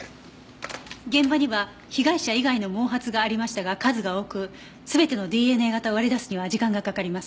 現場には被害者以外の毛髪がありましたが数が多くすべてのＤＮＡ型を割り出すには時間がかかります。